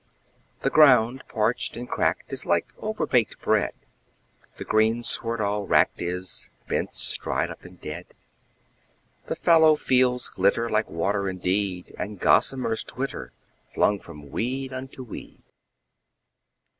The ground parched and cracked is like overbaked bread, The greensward all wracked is, bents dried up and dead. The fallow fields glitter like water indeed, And gossamers twitter, flung from weed unto weed.